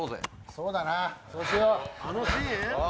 そうだな、そうしよう。